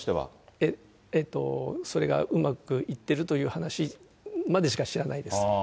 えっと、それがうまくいってるという話までしか知らないです。